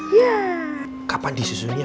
iya kapan disusunnya